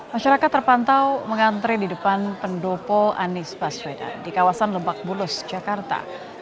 masyarakat terpantau mengantre di depan pendopo anies baswedan di kawasan lebak bulus jakarta